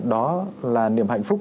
đó là niềm hạnh phúc